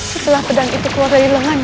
setelah pedang itu keluar dari lengan